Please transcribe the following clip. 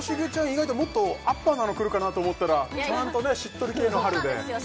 意外ともっとアッパーなの来るかなと思ったらちゃんとしっとり系の春でそうなんですよ